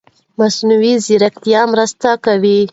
مصنوعي ځيرکتیا مرسته کوي.